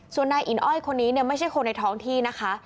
ส่วนนายอินอ้อยคนนี้เนี่ยไม่ใช่คนในท้องที่นะคะ